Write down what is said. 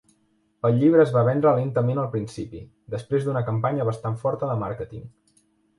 El llibre es va vendre lentament al principi, després d'una campanya bastant forta de màrqueting.